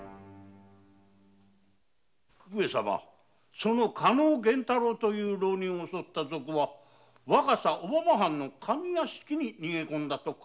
その加納源太郎という浪人を襲った賊は若狭小浜藩の上屋敷に逃げ込んだとか。